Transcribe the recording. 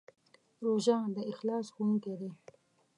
روژه د اخلاص ښوونکی دی.